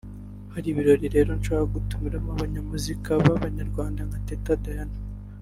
Hari ibirori rero nshaka gutumiramo abanyamuziki b’abanyarwanda nka Teta Diana